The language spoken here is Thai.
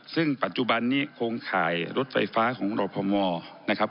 ซึ่งปัจจุบันนี้โครงข่ายรถไฟฟ้าของรพมนะครับ